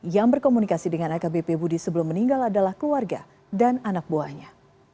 yang berkomunikasi dengan akbp budi sebelum meninggal adalah keluarga dan anak buahnya